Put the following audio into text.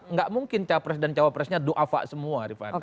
tidak mungkin cawapres dan cawapresnya do'afa semua